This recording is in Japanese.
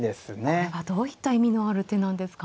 これはどういった意味のある手なんですか。